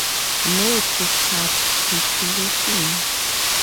No to capitulation!